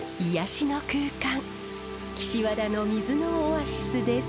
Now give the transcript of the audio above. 岸和田の水のオアシスです。